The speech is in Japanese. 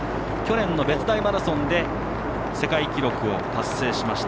去年のマラソンで世界記録を達成しました。